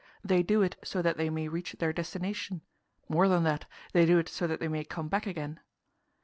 They do it so that they may reach their destination; more than that, they do it so that they may come back again.